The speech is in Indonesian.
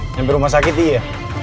nyampe rumah sakit iya